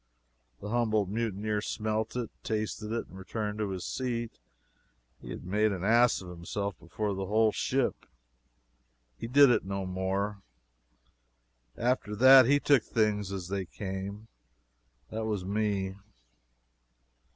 The humbled mutineer smelt it, tasted it, and returned to his seat. He had made an egregious ass of himself before the whole ship. He did it no more. After that he took things as they came. That was me.